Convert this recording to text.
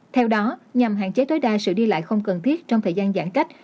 theo đó nhằm hạn chế tối đa sự đi lại không cần thiết trong thời gian giãn cách